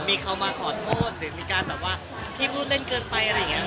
มีเขามาขอโทษหรือมีการแบบว่าพี่พูดเล่นเกินไปอะไรอย่างนี้